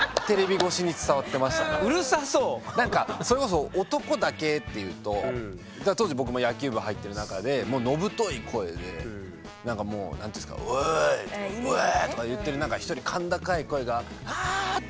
なんかそれこそ男だけっていうと当時僕も野球部入ってる中で野太い声でなんかもうなんていうんですか「おい！」とか「おお！」とか言ってる中１人甲高い声が「ああ！」って